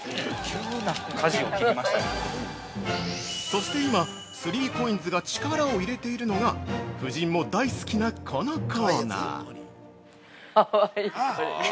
◆そして今、３ＣＯＩＮＳが力を入れているのが、夫人も大好きなこのコーナー。